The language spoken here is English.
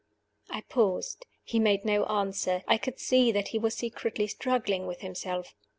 I paused. He made no answer: I could see that he was secretly struggling with himself.